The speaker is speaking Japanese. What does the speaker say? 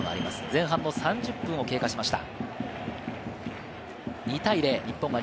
前半３０分、経過しました。